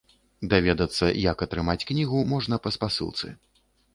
Даведацца, як атрымаць кнігу, можна па спасылцы.